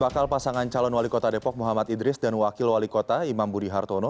bakal pasangan calon wali kota depok muhammad idris dan wakil wali kota imam budi hartono